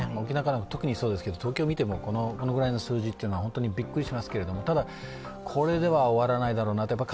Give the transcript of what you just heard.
沖縄なんかは特にそうですけれども、東京見てもこのぐらいの数字というのは本当にびっくりしますけどこれでは終わらないだろうなと。